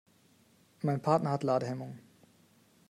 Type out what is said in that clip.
Mein Partner hat Ladehemmungen.